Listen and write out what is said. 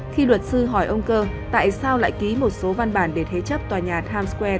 khi luật sư hỏi ông cơ tại sao lại ký một số văn bản để thế chấp tòa nhà times square